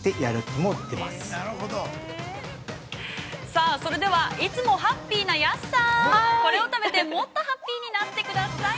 ◆さあ、それでは、いつもハッピーな安さん、これを食べてもっとハッピーになってください。